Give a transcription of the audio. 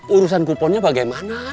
urusan kuponnya bagaimana